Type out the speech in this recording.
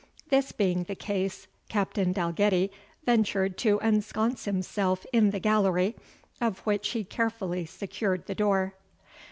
This being the case, Captain Dalgetty ventured to ensconce himself in the gallery, of which he carefully secured the door.